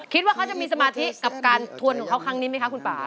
คิดว่าเขาจะมีสมาธิกับการทวนของเขาครั้งนี้ไหมคะคุณป่า